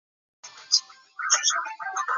生于神奈川县川崎市。